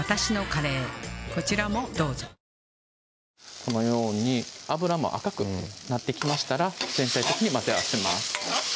このように油も赤くなってきましたら全体的に混ぜ合わせます